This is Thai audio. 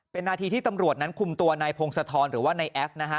เป็นนาทีที่ตำรวจนั้นคุมตัวนายพงศธรหรือว่านายแอฟนะฮะ